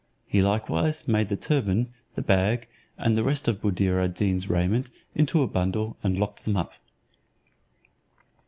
He likewise made the turban, the bag, and the rest of Buddir ad Deen's raiment into a bundle, and locked them up.